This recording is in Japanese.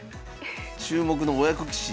「注目の親子棋士」